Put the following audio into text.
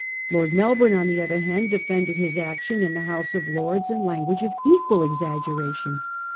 Lord Melbourne, on the other hand, defended his action in the House of Lords in language of equal exaggeration.